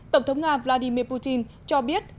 tổng thống nga vladimir putin cho biết